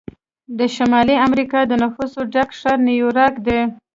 د شمالي امریکا د نفوسو ډک ښار نیویارک دی.